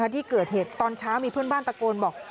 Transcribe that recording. ที่เกิดเหตุตอนเช้ามีเพื่อนบ้านตะโกนบอก